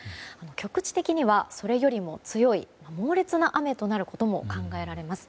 局地的にはそれよりも強い猛烈な雨となることも考えられます。